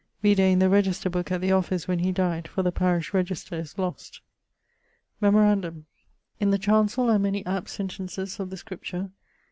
Vide in the Register booke at the office when he dyed, for the parish register is lost. Memorandum: in the chancell are many apt sentences of the Scripture.